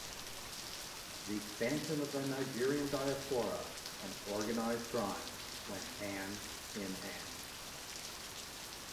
The expansion of the Nigerian diaspora and organized crime went hand in hand.